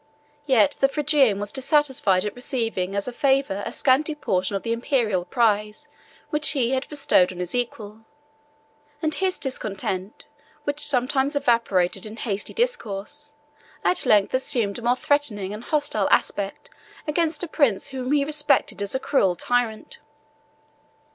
Yet the Phrygian was dissatisfied at receiving as a favor a scanty portion of the Imperial prize which he had bestowed on his equal; and his discontent, which sometimes evaporated in hasty discourse, at length assumed a more threatening and hostile aspect against a prince whom he represented as a cruel tyrant.